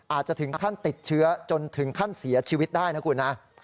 อาจจะถึงขั้นติดเชื้อจนถึงขั้นเสียชีวิตได้นะคุณนะ